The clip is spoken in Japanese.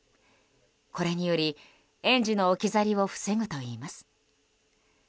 これにより、園児の置き去りを防ぐといいます。